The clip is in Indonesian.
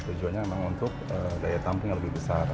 tujuannya memang untuk daya tampung yang lebih besar